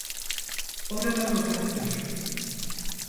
Oradan uzak dur.